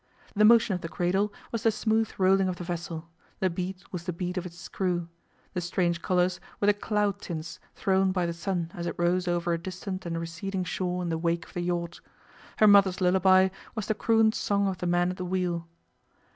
The motion of the cradle was the smooth rolling of the vessel; the beat was the beat of its screw; the strange colours were the cloud tints thrown by the sun as it rose over a distant and receding shore in the wake of the yacht; her mother's lullaby was the crooned song of the man at the wheel.